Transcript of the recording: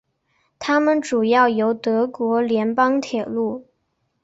它们主要由德国联邦铁路。